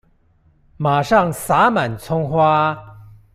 馬上灑滿蔥花